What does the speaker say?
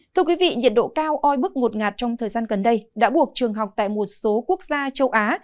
thưa quý vị nhiệt độ cao oi bức ngột ngạt trong thời gian gần đây đã buộc trường học tại một số quốc gia châu á